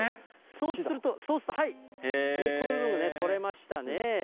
そうすると、根っこの部分が取れましたね。